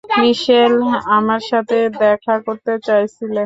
মিশেল, আমার সাথে দেখা করতে চাইছিলে?